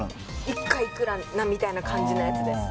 １回いくらみたいな感じのやつです